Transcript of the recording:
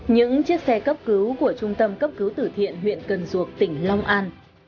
những chiếc xe cấp cứu của trung tâm cấp cứu tử thiện huyện cần duộc tỉnh long an